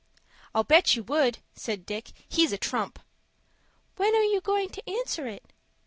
"I'll bet you would," said Dick. "He's a trump." "When are you going to answer it?"